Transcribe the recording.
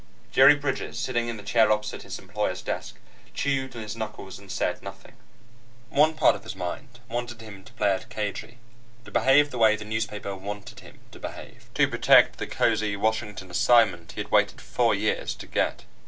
Jerry Bridges, sitting in the chair opposite his employer's desk, chewed on his knuckles and said nothing. One part of his mind wanted him to play it cagey, to behave the way the newspaper wanted him to behave, to protect the cozy Washington assignment he had waited four years to get.